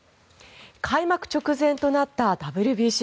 開幕直前となったＷＢＣ。